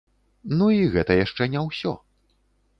Ну і гэта яшчэ не ўсё.